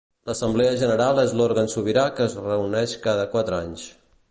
L'Assemblea General és l'òrgan sobirà que es reuneix cada quatre anys.